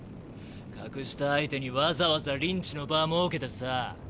格下相手にわざわざリンチの場ァ設けてさァ。